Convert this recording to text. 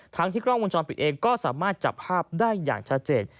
ทั้งที่กล้องวงจรปิดเองก็สามารถจับภาพได้อย่างชัดเจน